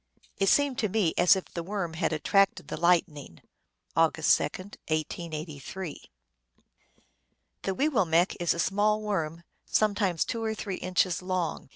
It seemed to me as if the worm had attracted the lightning." (Au gust 2, 1883.) " The Weewillmekq is a small worm, sometimes two or three inches long.